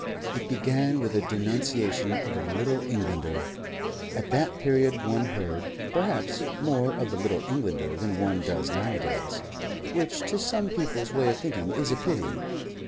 It began with a denunciation of the Little Englander. At that period one heard, perhaps, more of the Little Englander than one does nowadays which to some people's way of thinking is a pity.